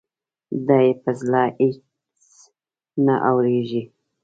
دا يې په زړه اېڅ نه اوارېږي.